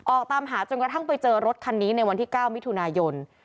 ออกตามหาจนกระทั่งไปเจอรถคันนี้ในวันที่๙มิถุนายน